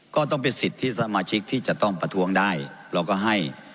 ก็ต้องเป็นสิทธิ์ที่สมาชิกที่จะต้องประท้วงได้เราก็ให้